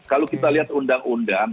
kalau kita lihat undang undang